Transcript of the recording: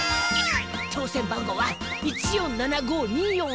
当せん番号は１４７５２４８！